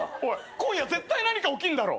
今夜絶対何か起きんだろ！